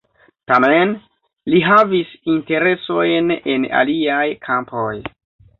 Tamen, li havis interesojn en aliaj kampoj.